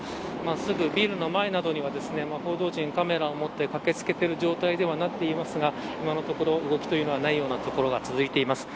すぐビルの前などには報道陣、カメラを持って駆け付けている状態にはなっていますが動きがないところが続いています。